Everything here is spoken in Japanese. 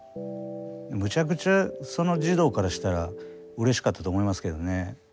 むちゃくちゃその児童からしたらうれしかったと思いますけどね。